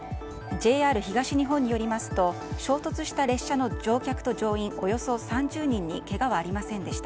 ＪＲ東日本によりますと衝突した列車の乗客と乗員およそ３０人にけがはありませんでした。